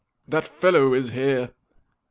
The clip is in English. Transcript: " That fellow is here !